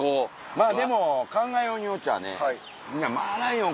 まぁでも考えようによっちゃねマーライオン